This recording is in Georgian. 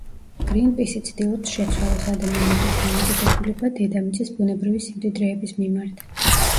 გრინპისი ცდილობს შეცვალოს ადამიანების დამოკიდებულება, დედამიწის ბუნებრივი სიმდიდრეების მიმართ.